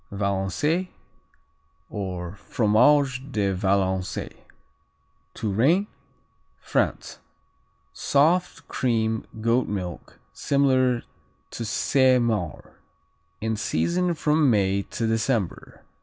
Valençay, or Fromage de Valençay Touraine, France Soft; cream; goat milk; similar to Saint Maure. In season from May to December.